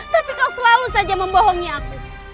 tapi kau selalu saja membohongi aku